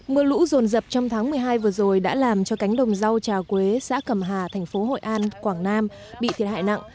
mưa lũ rồn rập trong tháng một mươi hai vừa rồi đã làm cho cánh đồng rau trà quế xã cẩm hà thành phố hội an quảng nam bị thiệt hại nặng